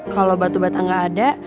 kalau batu batang nggak ada